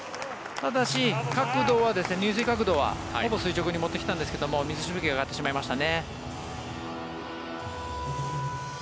ただし、入水の角度はほぼ垂直に持ってきましたが水しぶきが上がってしまいましたね。